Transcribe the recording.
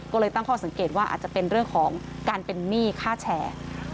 ก็เลยตั้งข้อสังเกตว่าอาจจะเป็นเรื่องของการเป็นหนี้ค่าแชร์